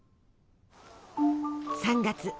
３月。